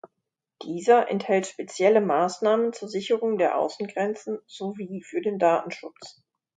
Dieser enthält spezielle Maßnahmen zur Sicherung der Außengrenzen sowie für den Datenschutz.